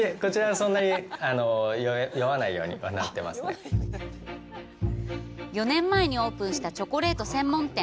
これ４年前にオープンしたチョコレート専門店。